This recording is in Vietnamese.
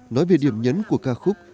nói về điểm nhấn của ca khúc